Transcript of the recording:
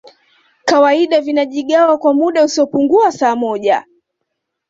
kawaida vinajigawa kwa muda usiopungua saa moja